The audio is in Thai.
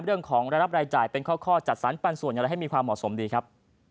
เรื่องของระดับรายจ่ายเป็นข้อจัดสรรปันส่วนอย่างไรให้มีความเหมาะสมดีครับ